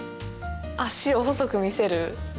足を細く見せる？